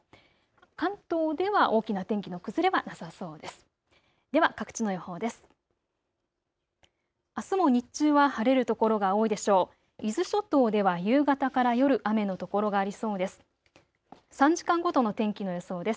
関東では大きな天気の崩れはなさそうです。